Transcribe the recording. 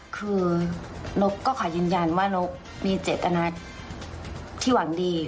คือนกก็ขอยืนยันว่านกมีเจตนาที่หวังดี